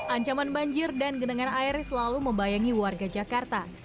ancaman banjir dan genangan air selalu membayangi warga jakarta